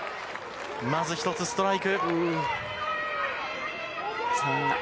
まず１つストライク。